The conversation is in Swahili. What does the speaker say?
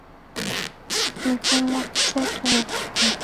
mifumomseto ya ufugaji na ukuzaji wa mazao